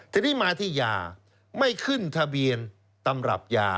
ทีนี้มาที่ยาไม่ขึ้นทะเบียนตำรับยา